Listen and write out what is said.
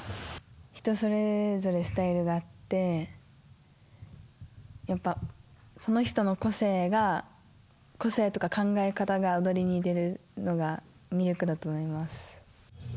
人それぞれスタイルがあってやっぱその人の個性とか考え方が踊りに出るのが魅力だと思います。